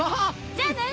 じゃあね！